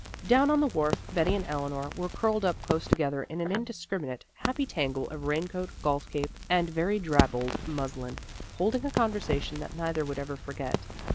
Down on the wharf Betty and Eleanor were curled up close together in an indiscriminate, happy tangle of rain coat, golf cape, and very drabbled muslin, holding a conversation that neither would ever forget.